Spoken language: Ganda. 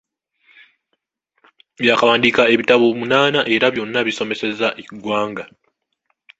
Yaakawandiika ebitabo munaana era byonna bisomesezza eggwanga.